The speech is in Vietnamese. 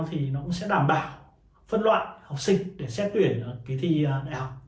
thì nó cũng sẽ đảm bảo phân loạn học sinh để xét tuyển kế thi đại học